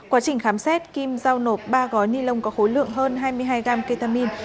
quá trình khám xét kim giao nộp ba gói ni lông có khối lượng hơn hai mươi hai gram ketamin